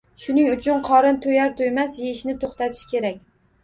Shuning uchun qorin to‘yar-to‘ymas yeyishni to‘xtatish kerak.